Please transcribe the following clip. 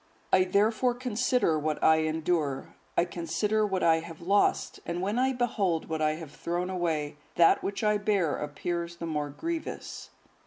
I therefore consider what I endure, I consider what I have lost, and when I behold what I have thrown away, that which I bear appears the more grievous."